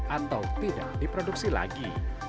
atau tidak diproduksi lagi